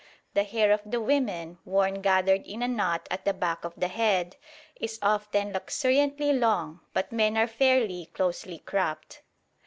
The hair of the women, worn gathered in a knot at the back of the head, is often luxuriantly long; but men are fairly closely cropped.